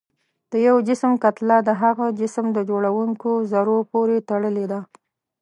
د یو جسم کتله د هغه جسم د جوړوونکو ذرو پورې تړلې ده.